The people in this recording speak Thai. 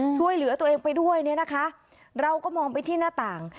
ช่วยเหลือตัวเองไปด้วยเนี่ยนะคะเราก็มองไปที่หน้าต่าง